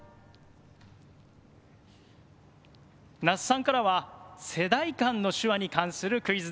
那須さんからは世代間の手話に関するクイズです。